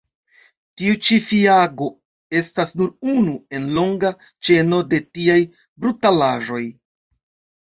Tiu ĉi fiago estas nur unu en longa ĉeno de tiaj brutalaĵoj.